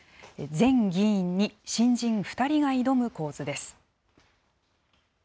前議員に新人２人が挑む構図です。